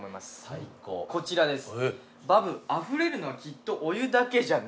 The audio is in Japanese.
最高こちらです